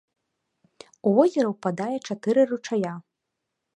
У возера ўпадае чатыры ручая.